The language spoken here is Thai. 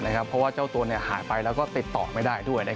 เพราะว่าเจ้าตัวหายไปแล้วก็ติดต่อไม่ได้ด้วย